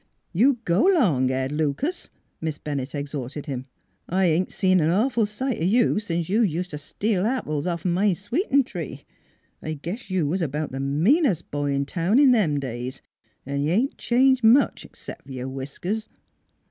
" You go 'long, Ed Lucas !" Miss Bennett ex horted him. " I ain't seen an awful sight o' you sence you ust t' steal apples offen my sweeting tree. I guess you was about th' meanest boy in town in them days, an' you ain't changed much, 'xcept ycr whiskers."